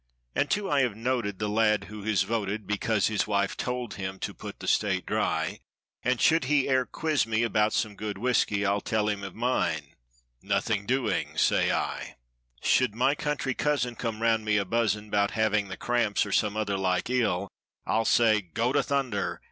"And, too, I have noted the lad who has voted, (Because his wife told him) to put the state dry— And should he e'er quiz me about some good whiskey I'll tell him of mine—'Nothing doing—say L' 66 "Should my country cousin, come 'round me a buzzin' 'Bout having the cramps or some other like ill I'll say—'Go to thunder!